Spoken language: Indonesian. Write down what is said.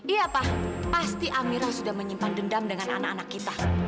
iya pak pasti amira sudah menyimpan dendam dengan anak anak kita